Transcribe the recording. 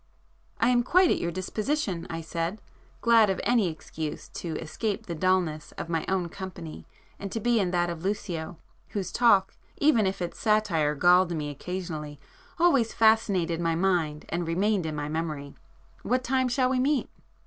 "I am quite at your disposition"—I said, glad of any excuse to escape the dullness of my own company and to be in that of Lucio, whose talk, even if its satire galled me occasionally, always fascinated my mind and remained in my memory—"What time shall we meet?"